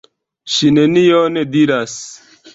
Ŝi nenion diras.